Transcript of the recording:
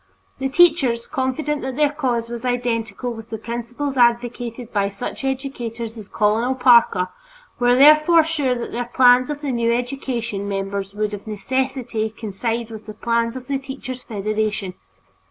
The teachers, confident that their cause was identical with the principles advocated by such educators as Colonel Parker, were therefore sure that the plans of the "new education" members would of necessity coincide with the plans of the Teachers' Federation.